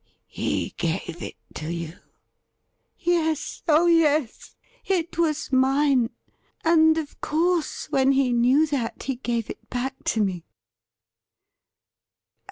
' He gave it to you ?'' Yes — oh yes ; it was mine ; and, of course, when he knew that he gave it back to me.'